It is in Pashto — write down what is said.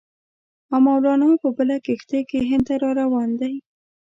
او مولنا په بله کښتۍ کې هند ته را روان دی.